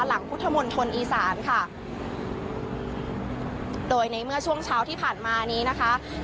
หลังพุทธมณฑลอีสานค่ะโดยในเมื่อช่วงเช้าที่ผ่านมานี้นะคะ